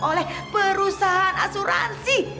oleh perusahaan asuransi